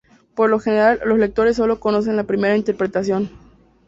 Por lo general, los lectores sólo conocen la primera interpretación.